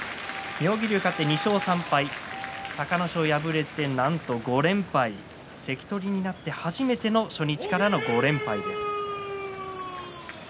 妙義龍、勝って２勝３敗隆の勝に敗れてなんと５連敗関取になって初めての初日からの５連敗です。